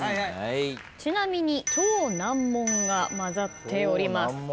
ちなみに超難問が交ざっております。